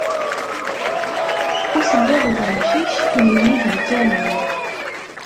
Ur telliḍ d amcic n nnig lkanun.